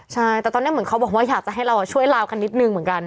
ใช่แต่ตอนนี้เหมือนเขาบอกว่าอยากจะให้เราช่วยลาวกันนิดนึงเหมือนกัน